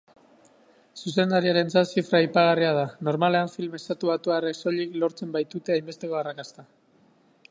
Zuzendariarentzat zifra aipagarria da, normalean film estatubatuarrek soilik lortzen baitute hainbesteko arrakasta.